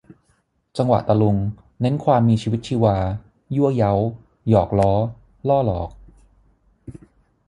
จังหวะตะลุง เน้นความมีชีวิตชีวา ยั่วเย้า หยอกล้อ ล่อหลอก